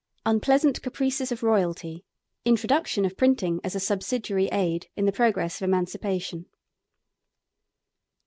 UNPLEASANT CAPRICES OF ROYALTY: INTRODUCTION OF PRINTING AS A SUBSIDIARY AID IN THE PROGRESS OF EMANCIPATION.